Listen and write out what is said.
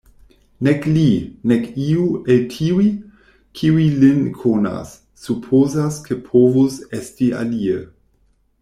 Nek li, nek iu el tiuj, kiuj lin konas, supozas, ke povus esti alie.